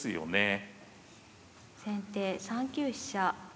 先手３九飛車。